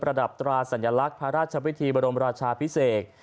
ระดับตราสัญลักษณ์พระราชวิธีบรมราชาพิเศษ